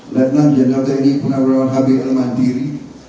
lieutenant general tni penagrawan hbl mandiri